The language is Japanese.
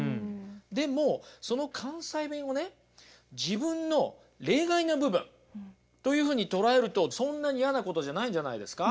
でもその関西弁をね自分の例外な部分というふうに捉えるとそんなに嫌なことじゃないんじゃないですか？